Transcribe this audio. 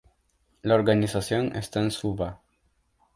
La organización está en Suva.